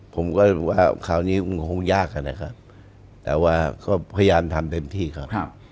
ผมก็รู้ว่าคราวนี้มันคงยากนะครับแต่ว่าก็พยายามทำเต็มที่ครับ